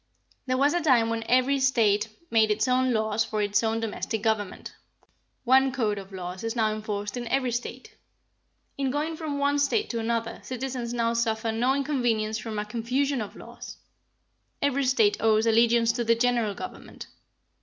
There was a time when every State made its own laws for its own domestic government. One code of laws is now enforced in every State. In going from one State to another citizens now suffer no inconvenience from a confusion of laws. Every State owes allegiance to the General Government.